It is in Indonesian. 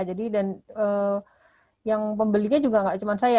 dan yang pembelinya juga nggak cuma saya